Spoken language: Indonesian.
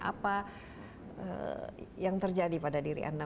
apa yang terjadi pada diri anda